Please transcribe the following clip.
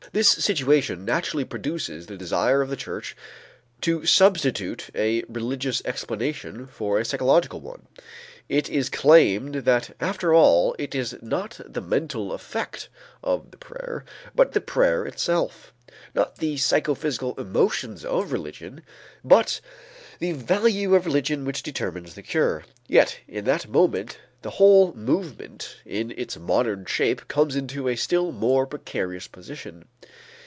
This situation naturally produces the desire of the church to substitute a religious explanation for a psychological one. It is claimed that after all it is not the mental effect of the prayer, but the prayer itself, not the psychophysical emotion of religion, but the value of religion which determines the cure. Yet in that moment the whole movement in its modern shape comes into a still more precarious position.